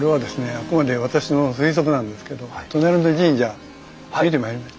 あくまで私の推測なんですけど隣の神社見てまいりました？